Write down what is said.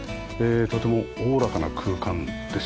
とてもおおらかな空間ですよね。